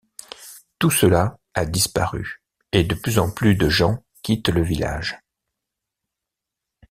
Tout cela a disparu et de plus en plus de gens quittent le village.